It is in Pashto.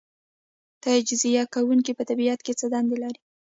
تجزیه کوونکي په طبیعت کې څه دنده لري